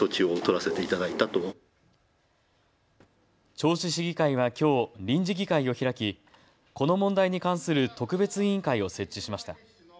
銚子市議会はきょう臨時議会を開きこの問題に関する特別委員会を設置しました。